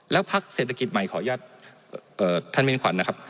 แล้วพักเศรษฐกิจใหม่ขออนุญาตท่านมินขวัญนะครับ